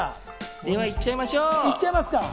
では、行っちゃいましょう。